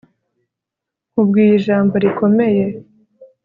nkubwiye ijambo rikomeye